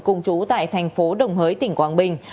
cùng chú tại tp đồng hới tỉnh quảng bình